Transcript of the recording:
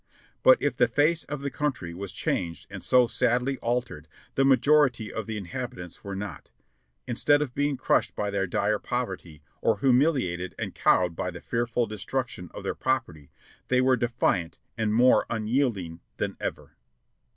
But if the face of the country was changed and so sadly altered, the majority of the inhabitants were not ; instead of being crushed by their dire poverty, or humiliated and cowed by the fearful destruction of their property, they were defiant and more unyielding than ever.